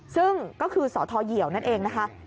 ซึ่งก็คือสทเหยียวนั่นเองนะคะ